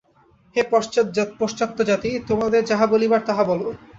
হে পশ্চাত্য জাতি! তোমাদের যাহা বলিবার তাহা বল।